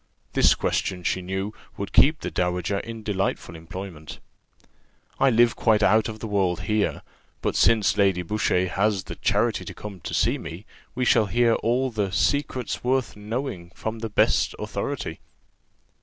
This question, she knew, would keep the dowager in delightful employment. "I live quite out of the world here; but since Lady Boucher has the charity to come to see me, we shall hear all the 'secrets worth knowing,' from the best authority."